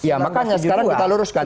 ya makanya sekarang kita luruskan